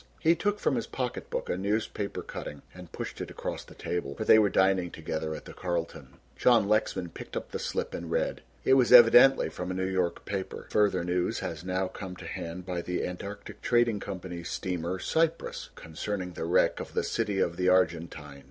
He took from his pocketbook a newspaper cutting and pushed it across the table, for they were dining together at the Carlton. John Lexman picked up the slip and read. It was evidently from a New York paper: "Further news has now come to hand by the Antarctic Trading Company's steamer, Cyprus, concerning the wreck of the City of the Argentine.